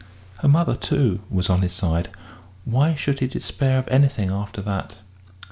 Her mother, too, was on his side; why should he despair of anything after that?